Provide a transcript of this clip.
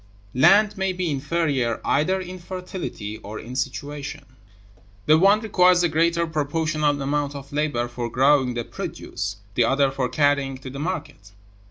Land may be inferior either in fertility or in situation. The one requires a greater proportional amount of labor for growing the produce, the other for carrying it to market.